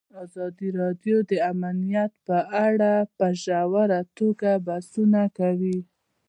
ازادي راډیو د امنیت په اړه په ژوره توګه بحثونه کړي.